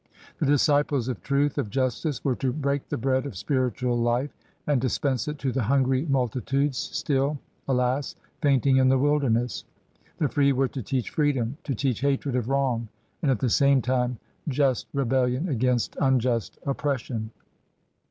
The disciples of truth, of justice, were to break the bread of spiritual life and dispense it to the hungry multitudes still, alas! fainting in the wilderness. The free were to teach freedom, to teach hatred of wrong, and at the same time just rebellion against unjust oppression.